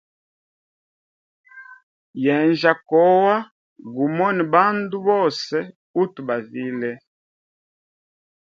Yenjya kowa gumone bandu bonse uthu bavile.